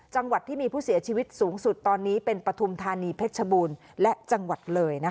จังหวัดที่มีผู้เสียชีวิตสูงสุดตอนนี้เป็นปฐุมธานีเพชรบูรณ์และจังหวัดเลย